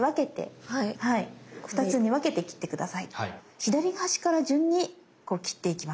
左端から順にこう切っていきます。